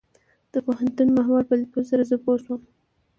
د پوهنتون ماحول په ليدلو سره زه پوه شوم.